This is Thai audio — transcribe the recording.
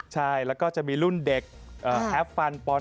ใช่และก็จะมีรุ่นเด็กแฮบฟันป๑๓